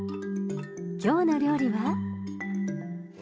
きょうの料理は。